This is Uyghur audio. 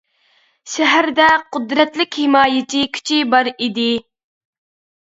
شەھەردە قۇدرەتلىك ھىمايىچى كۈچى بار ئىدى.